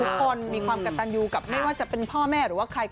ทุกคนมีความกระตันยูกับไม่ว่าจะเป็นพ่อแม่หรือว่าใคร